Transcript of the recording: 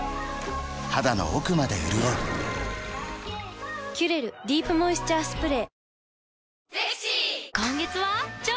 肌の奥まで潤う「キュレルディープモイスチャースプレー」